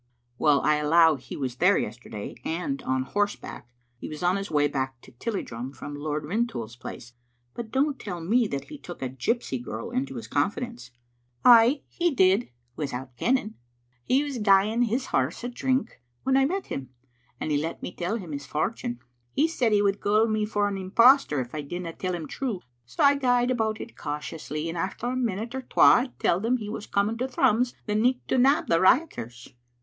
" Well, I allow he was there yesterday, and on horse back. He was on his way back to Tilliedrum from Lord Rintoul's place. But don't tell me that he took a gypsy girl into his confidence." " Ay, he did, without kenning. He was gieing his Digitized by VjOOQ IC II Tnomatt'0 £)tt9. 66 horse a drink when I met him, and he let me tell him his fortune. He said he would gaol me for an impostor if I didna tell him true, so I gaed about it cautiously, and after a minute or twa I telled him he was coming to Thrums the nicht to nab the rioters."